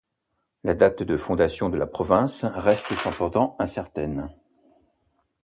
La date de fondation de la province reste cependant incertaine.